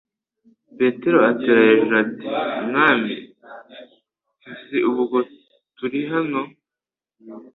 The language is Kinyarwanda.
Petero atera hejuru ati : "Mwami ni hviza ubwo turi hano :